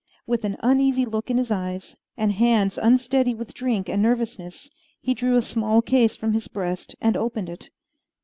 With an uneasy look in his eyes, and hands unsteady with drink and nervousness, he drew a small case from his breast and opened it.